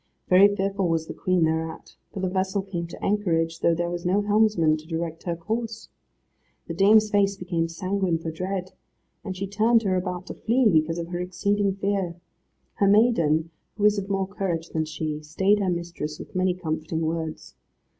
Very fearful was the Queen thereat, for the vessel came to anchorage, though there was no helmsman to direct her course. The dame's face became sanguine for dread, and she turned her about to flee, because of her exceeding fear. Her maiden, who was of more courage than she, stayed her mistress with many comforting words.